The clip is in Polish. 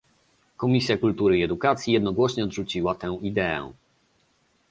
Komisja Kultury i Edukacji jednogłośnie odrzuciła tę ideę